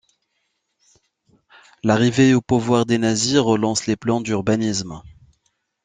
L'arrivée au pouvoir des Nazis relance les plans d'urbanisme.